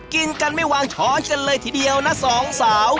กินกันไม่วางช้อนกันเลยทีเดียวนะสองสาว